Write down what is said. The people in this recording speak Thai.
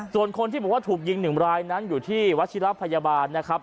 ส่วนคนที่บอกว่าถูกยิง๑รายนั้นอยู่ที่วัชิระพยาบาลนะครับ